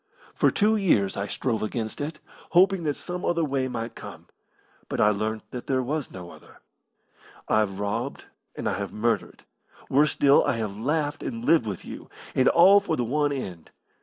For two years I strove against it, hoping that some other way might come, but I learnt that there was no other. I've robbed and I have murdered worse still, I have laughed and lived with you and all for the one end.